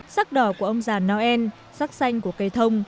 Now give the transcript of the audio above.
sắc đỏ của ông già noel sắc xanh của cây thông